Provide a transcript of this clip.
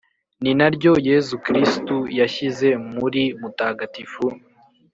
ni naryo yezu kristu yashyize muri mutagatifu